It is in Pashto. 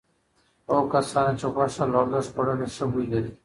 هغو کسانو چې غوښه لږه خوړلي ښه بوی لري.